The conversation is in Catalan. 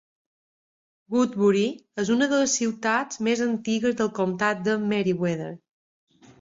Woodbury és una de les ciutats més antigues del comtat de Meriwether.